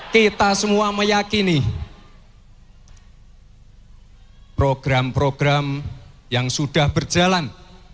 kita semua meyakini program program yang sudah berjalan